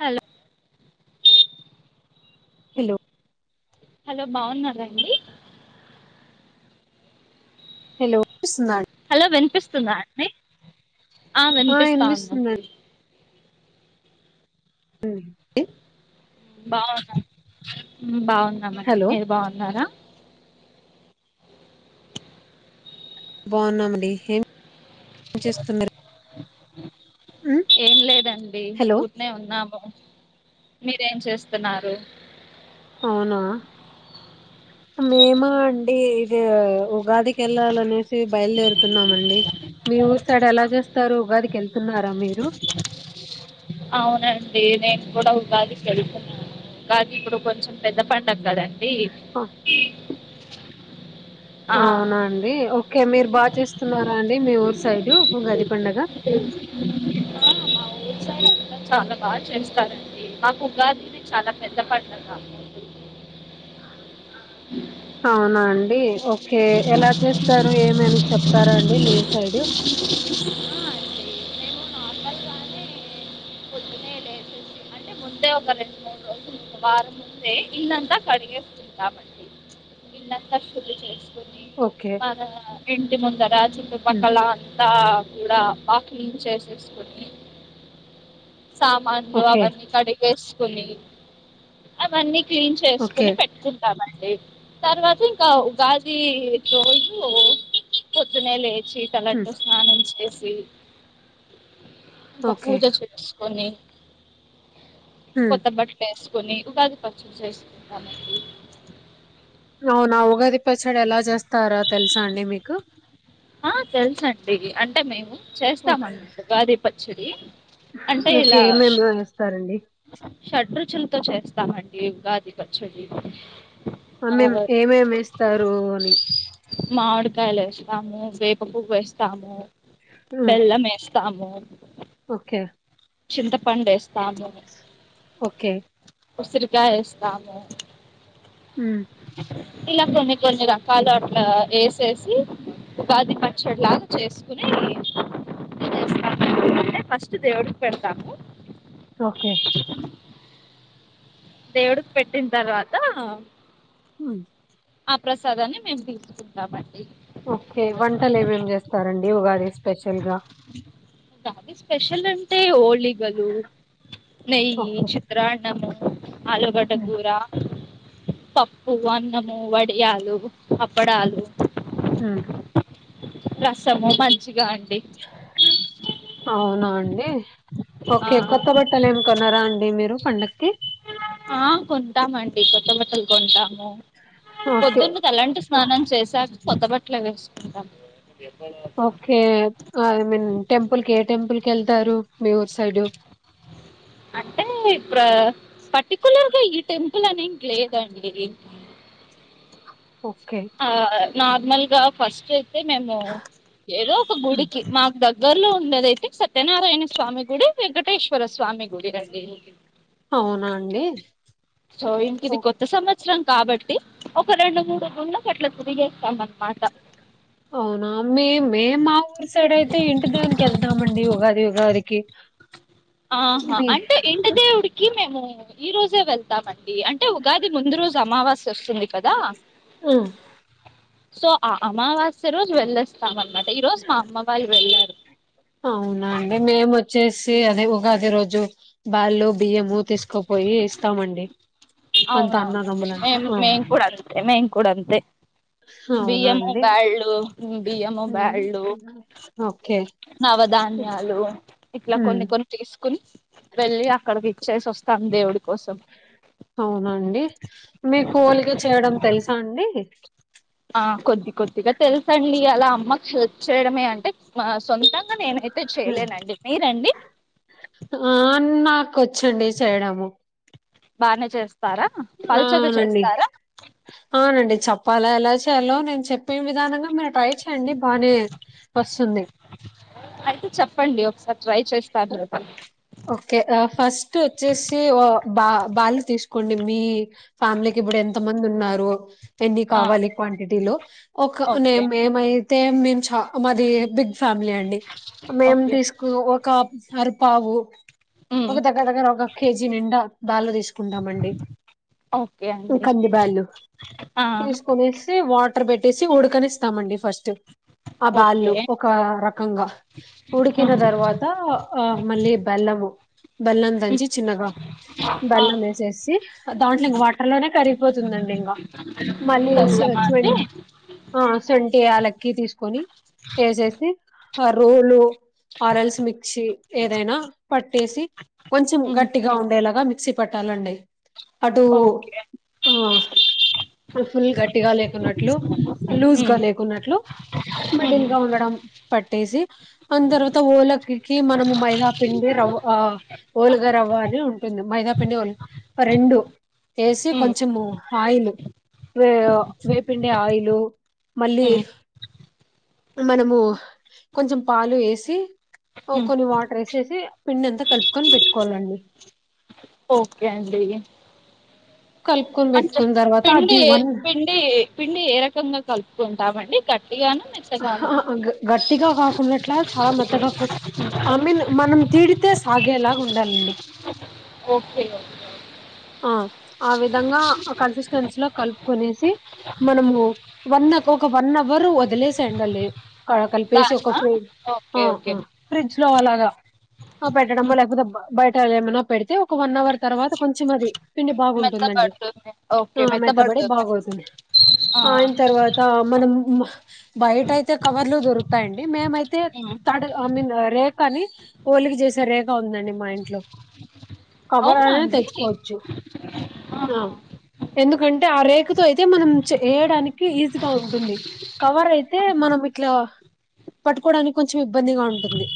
Hello hello hello బాగున్నారండీ hello వినిపిస్తుందాండీ hello వినిపిస్తుందా అండి ఆ వినిపిస్తా ఉంది [inaudible] బాగున్నాం బాగున్నామండి హలో మీరు బాగున్నారా బాగున్నామండి ఏమి చేస్తున్నారు ఉమ్, ఏం లేదండి హలో ఊర్నే ఉన్నాము మీరేం చేస్తున్నారు అవునా [inaudible] మేము అండి ఇది ఉగాదికిెళ్లాలనేసి బయలుదేరుతున్నామండి మీ ఊరు సైడ్ ఎలా చేస్తారు ఉగాదికి వెళ్తున్నారా మీరు అవునండి నేను కూడా ఉగాదికి వెళ్తున్నాను ఉగాది ఇప్పుడు కొంచెం పెద్ద పండుగ కదండి ఆ, ఆ అవునా అండి ఓకే మీరు బాగా చేస్తున్నారా అండి మీ ఊరు సైడ్ ఉగాది పండుగ ఆ మా ఊరు సైడ్ చాలా బాగా చేస్తారండి మాకు ఉగాది చాలా పెద్ద పండుగ [inaudible] అవునా అండి ఓకే ఎలా చేస్తారు ఏమైన చెప్తారా అండి మీ సైడ్ అవునా అండి మేము నార్మల్గానే పొద్దునే లేసి అంటే ముందే ఒక రెండు మూడు రోజులు వారం ముందే ఇల్లంతా కడిగేసుకుంటాం ఇల్లంతా శుద్ధి చేసుకుని ఓకే మన ఇంటి ముందర చుట్టూ ఉమ్, పక్కల అ కూడా పాకం చేసేసుకోని సామాన్లు ఓకే అవన్నీ కడిగేసుకుని అవన్నీ క్లీన్ ఓకే చేసుకుని పెట్టుకుంటం తర్వాత ఇంకా ఉగాది రోజు పొద్దున్నేలచి చీకట్లానే ఉమ్, స్నానం చేసి ఇంకా ఓకే పూజ చేసుకొని ఉమ్. కొత్త బట్టలు వేసుకొని ఉగాది పచ్చి చేసుకుంటానడి అవునా ఉగాది పచ్చడి ఎలా చేస్తారో తెలుసా అండి మీకు ఆ తెల్సండీ అంటే మేము చేస్తాం ఓకే అండి ఉగాదీ పచ్చడి అంటే మీకు ఇలా ఏమేమి వేస్తారండి షడ్రుచులతో చేస్తామండి ఉగాది పచ్చడి ఆ మేం ఏమేమి వేస్తారు అని మామిడికాయల వస్తాము వేపపువ్వు వేస్తాము ఉమ్, బెల్లం వేస్తాము ఓకే చింతపండే ఓకే ఉసిరికాయ ఏస్తాము ఉమ్ ఇట్లా కొన్ని కొన్ని రకాలు అట్లా వేసేసి ఉగాధి పచ్చడిలాగా చేసుకుని [unintelligible] ఫస్ట్ దేవుడికి పెడతాము ఓకే దేవుడికి పెట్టిన తర్వాత అవును ఆ ప్రసాదాన్ని మేము తీసుకుంటామండి ఓకే వంటలు ఏమేమి చేస్తారండి ఉగాది స్పెషల్ గా ఉగాది స్పెషల్ అంటే హోలిగలు నెయ్యి ఓకే చిత్రాన్నము ఉమ్, ఆలుగడగూర పప్పు అన్నము వడియాలు అప్పడాలు ఉమ్, రసము మజ్జిగా అవునా అండి ఆ ఓకే కొత్త బట్టలు ఏమి కొనరా అండి మీరు పండక్కి ఆ కొంటాం అండి కొత్త బట్టలు కొంటాం ము ఓకే పొద్దున్న తలంటూ స్నానం చేశాక కొత్త బట్లే వేసుకుంటాము ఓకే ఐ మీన్ టెంపుల్ కె టెంపుల్ కెళ్తరు మీ ఊరు సైడు అంటే ఇప్ర పర్టిక్యులర్గా ఈ టెం ప్పులనేకి లేదాండి ఓకే నార్మల్ గా ఫస్ట్ అయితే మేము ఏదో ఒక ఉమ్, గుడికి మాకు దగ్గర్లో ఉన్నదైతే సత్యనారాయణ స్వామి గుడి వెంకటేశ్వర స్వామి గుడి అండి అవునా అండి సొ ఓ ఇంకిది కొత్త సమ అవసరం కాబట్టి ఒక రెండు మూడు గుంలకు అట్లా తిరిగేస్తాం అనమాట అవునా మే మే మా ఊరు సైడ్ అయితే ఇంటి దేవునికి వెళ్తామండి ఉగాది ఉగాది కి ఆహా అంటే ఇంటి దేవుడికి మేము ఈ రోజే వెళ్తామం అండీ అంటే ఉగాది ముందు రోజు అమావాస్య వస్తుంది కదా ఆ సో ఆ అమావాస్య రోజు వెళ్ళస్తాం అనమాట ఈ రోజు మా అమ్మ వాళ్ళు వెళ్ళారు అదే అదే ఉగాది రోజు బాళ్ళు బియ్యము తీసుకోపోయి ఇస్తామండి అంత అవునవును అన్నదమ్ములంతా మేం ఆ మేం కూడా అంతే మేం కూడా అంతే బియ్యము అవునండి బ్యాల్డు బియ్యము ఉమ్, బ్యాల్డు ఓకే నవధాన్యాలు ఇట్లా ఉమ్ కొన్ని కొన్ని తీసుకుని వెళ్ళి అక్కడకి చేసొస్తాం దేవుడి కోసం అవునండి మీకు కొలిక చేయడం తెలుసా అండి ఆ కొద్ది కొద్దిగా తెలుసండి అలా అమ్మకి హెల్ప్ చేయడమే అంటే సొంతంగా నేనైతే చేయలేనండి మీరండి కోచ్చుండి చేయడము బానే చేస్తారా పలుచగా అవునండి చేస్తారా పల ఎలా చేయాలో నేను చెప్పే విధానంగా మీరు ట్రై చేయండి బానే వస్తుంది పండి ఒకస ఓకే ఫస్ట్ వచ్చేసి ఆ బా బలు తీసుకోండి మీ ఫ్యామిలీకి ఇప్పుడు ఎంత మంది ఉన్నారో ఎన్ని ఆ కావాలి క్వాంటిటీలో ఒక నే ఓకే మేమైతే మేము చ మది బిగ్ ఫ్యామిలీ అండి మేం ఓకే తీసుకు ఒక అరపావు ఒక దగ్గర దగ్గర ఒక కేజీ నిండా బాల్ తీసు కుందా మండీ ఓకే ఇ అండి కంది బాల్లు ఆ తీస్కొనేసి వాట్ వట్టర్ పెట్టేసి ఉడకినీస్తామండి ఫస్ట్ ఆ బాళ్ళు ఓకే ఒక రకంగా ఉడికిన తర్వాత ఆ మళ్ళీ బెల్లము బెల్లం దంచి చిన్నగా, ఆ బెల్లం వేసేసి దాంట్లో ఇంగ వాటర్ లోనే కరిగిపోతుందండి ఇంగా మళ్ళీ చే బెల్లమా అండి చెగ్ సొంటి యాలక్కి తీసుకొని ఏసేసి ఆ రోలు ఆరల్స్ మిక్చి ఏదైనా పట్టేసి కొంచెం గట్టిగా ఉండేలాగా మిక్సీ పట్టాలండి అటు ఓకే ఆ ఫుల్ గట్టిగా లేకున్నట్లు లూజ్ గా లేకున్నట్లు మిడిల్ గా ఉండడం పట్టేసి ఆన్ తర్వాత ఓలక్కికి మనము మైదాపిండి రవ్వ ఆ ఓలుగా రవ్వ అని ఉంటుంది మైదాపిండి ఓల్ ఆ రెండు ఏసి కొంచము ఆయిలు వే వేపిండి ఆయిలు మళ్ళీ మనము కొంచెం పాలు ఎసి కొన్ని వాట వేసేసి పిండి ఎంత కలుపుకొని పెట్టుకోవాలండి ఓకే అండి కలుపుకొని అంటే పెట్టుకున్న తర్వాత అది పిండి వన్ పిండి పిండి ఏ రకంగా కలుపుకుంటామండి కట్ హాహా గట్టిగా కాకుంన్నట్లా చాలా మెద్దగా ఐ మీన్ మనం తీడితే సాగేలాగా ఉండాలండి ఓకే ఓకే ఆ ఆ విధంగా ఆ కాన్సెంట్స్ లో కలుపుకొనేసే మనము వన్ ఒక్కొక వన్హవూరు వదిలేసే తెండాలి కా కలిపేసి ఒక దానా ఫ్రీ ఓకే ఆ ఓకే ఆ ఫ్రిడ్జ్ ట్లో అలాగా పెట్టడమో లేకపోతే బయట ఏమైనా పెడితే ఒక వన్ అవర్ తర్వాత కొం చెం మది పిండి బాగుంటుందండి మెత్తబడుతుంది ఓకే ఆ మెత్తబడి మెత్తబడుతుంది బాగవుతుంది ఆ, ఆయన తర్వాత మనం బయట అయితే కవర్లు దొరు తాయండి మేమయితే ఉమ్. తడ్ ఐ మీన్ రే కానీ ఓలికి చేసే రేఖ ఉందండి మా ఇంట్లో కవర్ అవునా అయినా అండి తెచ్చు కోచ్చు హ ఆహా, ఎందు ఎంటే ఆ రేక్తో అయితే మనం చేయడానికి ఈజీగా ఉంటుంది కవర్ అయితే ఆహా. మనం ఇట్లా పట్టుకోవడానికి కొంచెం ఇబ్బందిగా ఉంటుంది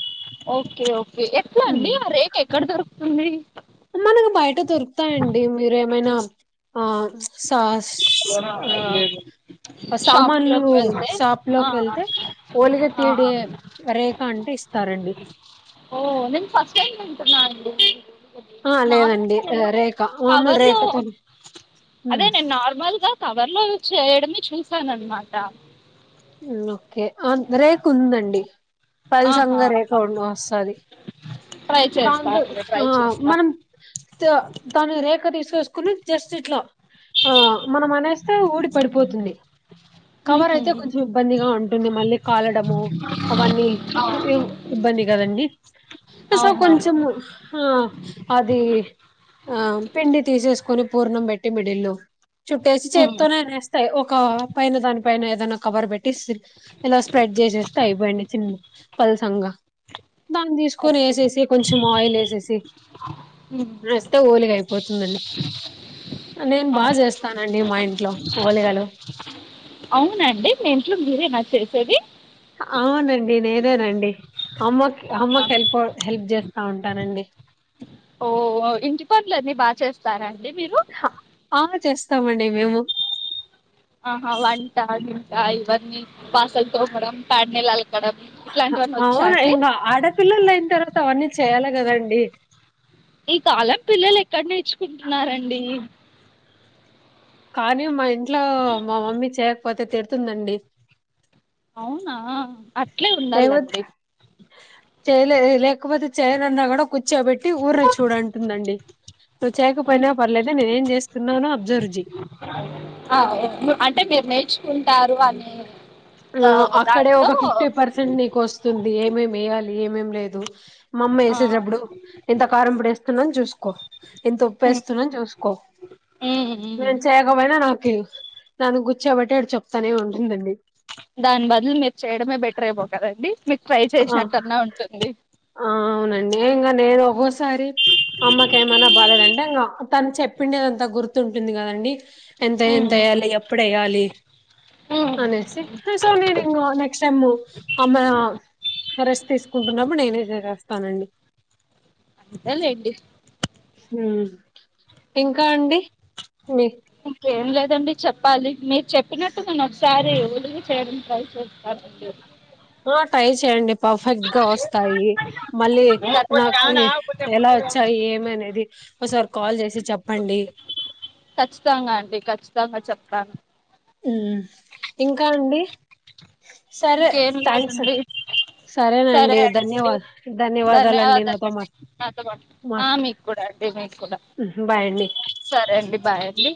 ఓకే ఓకే హ్మ్. ఎట్లాండి ఆ రేక ఎక్కడ దొరుకుతుంది గా బయట దొరుకుతాయండి మీరేమైనా ఆ సా సోనా అదిలేదు సామాన్లు షాప్ ఆ, లోకి వెళ్తే ఓలిగ ఆ తీడే రేఖ అంటే ఇస్ స్తారండి ఓ నిం ఫస్ట్ టైమ్ వింటున్న అండి ఆ లేదండి నార్మల్గా నను రేఖ మామూలు కవర్లు రేఖతో అదే నేను నార్మల్ గా కవర్ లో చేయడమే చూసానఅనమాట ఉమ్ ఓకే ఆ రేప్ ఉందండి పల్సంగ ఆహా రేఖ ఉండ వస్తాది ట్రై చేస్తా దాంతో అండి ట్రై ఆ చేస్తా మనం త దాన్ని రేఖ తీసు చూసుకుని జస్ట్ ఇట్లా ఆ మనం అనేస్తే ఊడి పడిపోతుంది కవర్ ఉహు అయితే కొంచెం ఇబ్బందిగా ఉంటుంది మళ్ళీ కాలడము అవన్నీ అవును ఇవ్ ఇబ్బంది కదండి స అవునవును కొంచెము ఆ అది ఆ పిండి తీసేసు కొని పూర్ణం పెట్టి మిడిల్లు చుట్టేసి ఉమ్. చేతితోనే అనేస్తే ఒక పైన దాని పైన ఏదైనా కవర్ పెట్టి సిర్ ఇలా స్ప్రెడ్ చేసేస్తే అయిపోయిడి చిన్న పల్సంగా దాన్ని తీసుకొని ఓకే వేసేసి కొంచెం ఆయిల్ వేసేసి ఉమ్. వేస్తే ఓలిగా అయి పోతుందండి నేను బాగా అవును చేస్తానండి మా ఇంట్లో ఓలిగలు అవునండి మీ ఇంట్లో మీరేనా చేసేది అవునండి నేనేేనండి అమ్మకి ఆహా. అమ్మకి హెల్ప్ హెల్ప్ జేస్తా ఉంటానండి ఓ ఇంటి పనులన్ని బా చేస్తారండి హా ఆ చేస్తామండి మేము ఆహా వంట గింట ఇవన్నీ బాసలు తోమడం పాడ నీలలక్ హా అవును ఇంగ ఆడపిల్లలు అయిన్తర్వాత అవన్నీ చేయాలి కదండి ఈ కాలం పిల్లలెక్కడ నేర్చుకుంటున్నారండి కానీ మా ఇంట్లో మా మమ్మీ చేయకపోతే తిడుతుందండి అవునా అట్లే ఏమో ఉండాలండి చేయాలె లేకపోతే చేయమన్నగూడ కూర్చోబెట్టి ఊర్ని చూడంటుందండి నువ్వు ఉహు. చేయకపోయినా పర్లేదా నేనేం చేస్తున్నానో అబ్జర్వ్ జెయ్ ఆ ఓ అంటే మీరు నేర్చుకుంటారు అని ఆ అక్కడే ఒక ఫిఫ్టీ పర్సెంట్ నీకొస్తుంది ఏమేమేయ్యాలి ఏమేం లేదు మా అమ్మ ఆ ఏసేటప్పుడు ఎంత కారం పొడి ఏస్తున్నో జూసుకో ఎంత ఉప్పు ఏస్తున్నో జూసుకో అ నేను చేయకపోయినా నాకు నన్ను కూర్చోబట్టి అక్కడ చెప్తానే ఉంటుందండి దాని బదులు మీరు చేయడమే బెటరేమో కదండి మీకు ట్రై ఆ చేసినట్న్నా ఉంటుంది ఆ అవునండి ఇంగ నేను ఒకోసారి అమ్మకెమన్న బాాలేదంటే ఇంగా తను చెప్పిండ ఏమంత గుర్తుంటుంది కదండి ఎంత ఉమ్, ఎంతేయ్యాలి ఎప్పుడేయ్యాలి ఉమ్. అనేసి సో నే నింగ నెక్స్ట్ టైమ్ అమ్మా రెస్ట్ తీసుకుంటున్నప్పుడు నేనే చేసేస్తానండి అంతెలేండి హ్మ్ ఇంకా అండి మీ ఇంకేం లేదండి చెప్పాలి మీరు చెప్పినట్టు నేన్నోకసారి గుండు బీ చేయడం ట్రై చేస్తానండి ఎపుడ్ ఆ ట్రై చేయండి పర్ఫెక్ట్ గా వస్తాయి, మళ్ళీ నాకు ఎలా వచ్చాయి ఏమనేది ఒసారి కాల్ చేసి చెప్పండి ఖచ్చితంగా అండి ఖచ్చితంగా చెప్తాను ఉమ్ ఇంకా అండి, సరే ఇంకేం థ్యాంక్స్ లేదండి సరే సరేనండి అండి ధన్యవాద్ ధన్యవాదాలండి నాతో మాట్ మాట్ అంతే మెయింటుకుడా బా యండి సరే అండి బాయ్ అండి